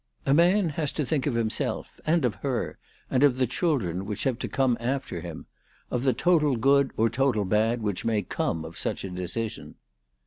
A man has to think of himself, and of her, and of the children which have to come after him ; of the total good or total bad which may come of such a decision."